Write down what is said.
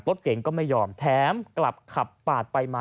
รถเก่งก็ไม่ยอมแถมกลับขับปาดไปมา